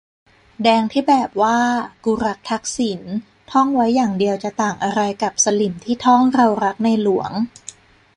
แดงที่แบบว่า "กูรักทักษิณ" ท่องไว้อย่างเดียวจะต่างอะไรกับสลิ่มที่ท่อง "เรารักในหลวง"